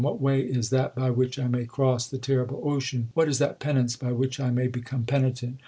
What way is that by which I may cross the terrible ocean ? What is that penance by which I may become penitent